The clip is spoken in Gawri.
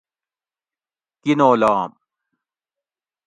کینولام